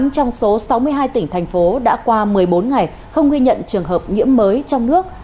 tám trong số sáu mươi hai tỉnh thành phố đã qua một mươi bốn ngày không ghi nhận trường hợp nhiễm mới trong nước